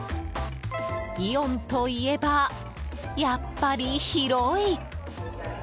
イオンといえば、やっぱり広い！